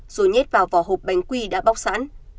bỏ vào hộp bánh quy đã bóc sẵn